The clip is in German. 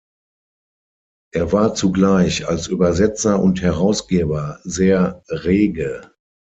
Er war zugleich als Übersetzer und Herausgeber sehr rege.